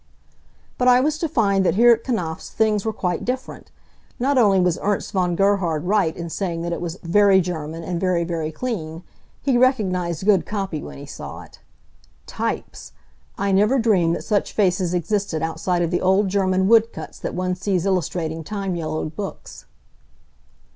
But I was to find that here at Knapf's things were quite different. Not only was Ernst von Gerhard right in saying that it was "very German, and very, very clean;" he recognized good copy when he saw it. Types! I never dreamed that such faces existed outside of the old German woodcuts that one sees illustrating time yellowed books.